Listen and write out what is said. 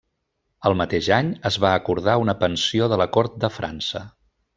El mateix any, es va acordar una pensió de la cort de França.